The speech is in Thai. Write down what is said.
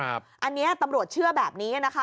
อันนี้ตำรวจเชื่อแบบนี้นะคะ